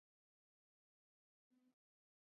حال دا چي يوې بلي ته ورته مېوې به وركړى شوې وي